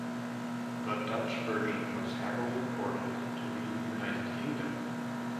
The Dutch version was heavily imported to the United Kingdom.